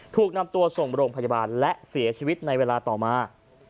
ถูกนำตัวส่งโรงพยาบาลและเสียชีวิตในเวลาต่อมา